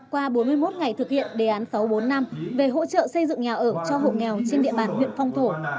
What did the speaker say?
qua bốn mươi một ngày thực hiện đề án sáu trăm bốn mươi năm về hỗ trợ xây dựng nhà ở cho hộ nghèo trên địa bàn huyện phong thổ